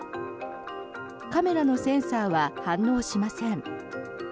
カメラのセンサーは反応しません。